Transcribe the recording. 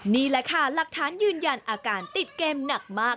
นี่แหละค่ะหลักฐานยืนยันอาการติดเกมหนักมาก